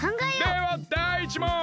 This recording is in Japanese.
ではだい１もん！